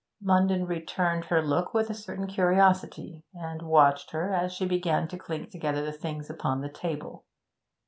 Munden returned her look with a certain curiosity, and watched her as she began to clink together the things upon the table.